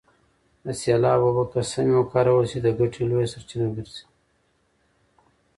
د سیلاب اوبه که سمې وکارول سي د ګټې لویه سرچینه ګرځي.